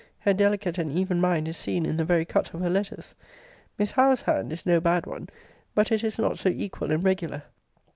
Her delicate and even mind is seen in the very cut of her letters. Miss Howe's hand is no bad one, but it is not so equal and regular.